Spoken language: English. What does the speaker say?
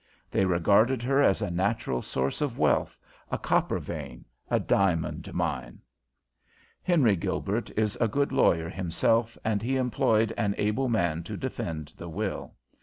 They regarded her as a natural source of wealth; a copper vein, a diamond mine. Henry Gilbert is a good lawyer himself, and he employed an able man to defend the will.